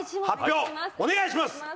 発表お願いします！